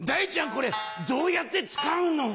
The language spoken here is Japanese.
これどうやって使うの？」。